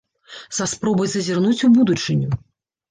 Са спробай зазірнуць у будучыню.